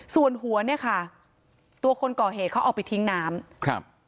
ส่วนหัวเนี่ยค่ะตัวคนก่อเหตุเขาเอาไปทิ้งน้ำครับ